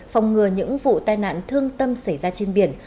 phòng ngừa những vụ tai nạn thương tâm xảy ra trên biển